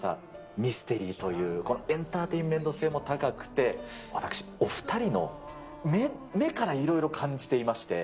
ミステリーという、エンターテインメント性も高くて、私、お２人の目から色々感じていまして。